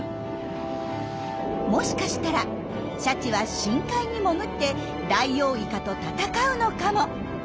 もしかしたらシャチは深海に潜ってダイオウイカと闘うのかも。